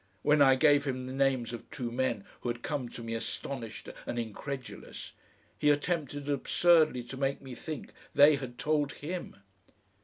When I gave him the names of two men who had come to me astonished and incredulous, he attempted absurdly to make me think they had told HIM.